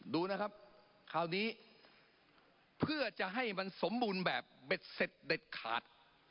ดูนะครับคราวนี้เพื่อจะให้มันสมบูรณ์แบบเบ็ดเสร็จเด็ดขาด